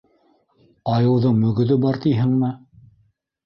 Айыуҙың мөгөҙө бар тиһеңме?